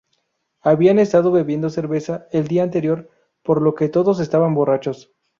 Habían estado bebiendo cerveza el día anterior, por lo que todos estaban borrachos.